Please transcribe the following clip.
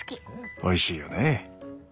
おいしいよね。